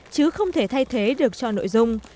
chứ không thể thay thế được cho nội dung